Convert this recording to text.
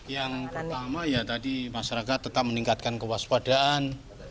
yang pertama ya tadi masyarakat tetap meningkatkan kewaspadaan